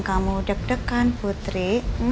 kamu deg degan putri